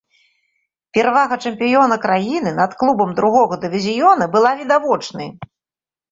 Перавага чэмпіёна краіны над клубам другога дывізіёна была відавочнай.